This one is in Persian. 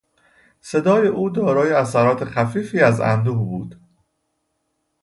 صدای او دارای اثرات خفیفی از اندوه بود.